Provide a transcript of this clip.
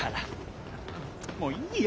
もういいよ。